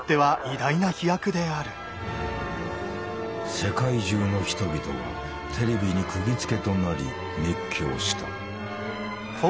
世界中の人々がテレビにくぎづけとなり熱狂した。